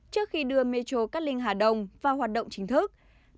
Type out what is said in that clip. trước khi đưa mê châu cát linh hà đông vào hoạt động chính thức